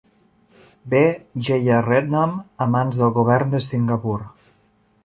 B. Jeyaretnam a mans del govern de Singapur.